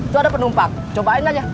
itu ada penumpang cobain aja